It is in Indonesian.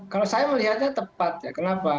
kalau saya melihatnya tepat ya kenapa